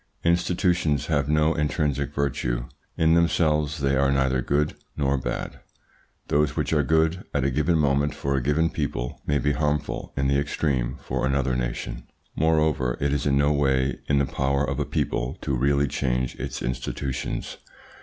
Institutions have no intrinsic virtue: in themselves they are neither good nor bad. Those which are good at a given moment for a given people may be harmful in the extreme for another nation. Moreover, it is in no way in the power of a people to really change its institutions.